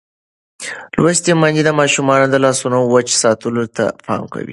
لوستې میندې د ماشومانو د لاسونو وچ ساتلو ته پام کوي.